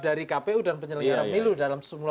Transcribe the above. dari kpu dan penyelenggara milu dalam